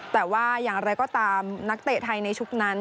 แต่ว่าอย่างไรก็ตามนักเตะไทยในชุดนั้น